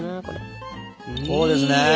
こうですね！